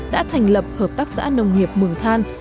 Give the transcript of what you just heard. đã thành lập hợp tác xã nông nghiệp mường than